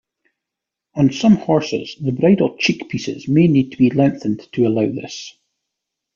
On some horses, the bridle cheekpieces may need to be lengthened to allow this.